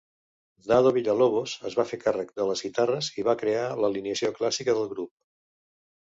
Dado Villa-Lobos es va fer càrrec de les guitarres i va crear l'alineació clàssica del grup.